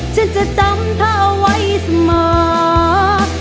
ฉันจะจำเธอไว้สม่าย